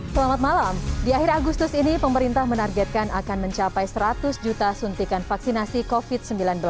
selamat malam di akhir agustus ini pemerintah menargetkan akan mencapai seratus juta suntikan vaksinasi covid sembilan belas